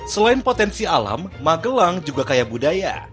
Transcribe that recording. selain potensi alam magelang juga kaya budaya